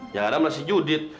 yang ada adalah si yudit